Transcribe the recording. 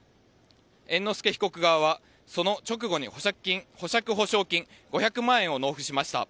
猿之助被告側はその直後に保釈保証金５００万円を納付しました。